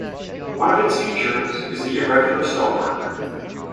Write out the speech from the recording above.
One of its features is the irregular stonework.